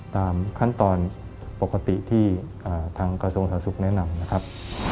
ตามขั้นตอนปกติที่ทางกระทรวงสาธารสุขแนะนำนะครับ